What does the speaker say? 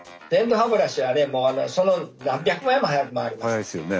速いですよね。